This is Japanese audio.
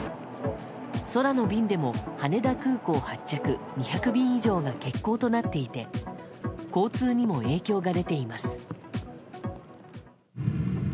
空の便でも羽田空港発着２００便以上が欠航となっていて交通にも影響が出ています。